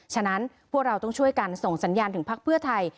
ฉะนั้นพวกเราต้องช่วยกันส่งสัญญาณที่ภเพัลใจ